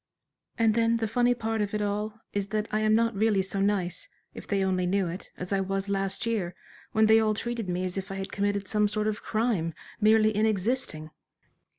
"And then the funny part of it all is that I am not really so nice, if they only knew it, as I was last year, when they all treated me as if I had committed some sort of crime, merely in existing."